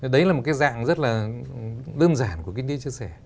đấy là một cái dạng rất là đơn giản của kinh tế chia sẻ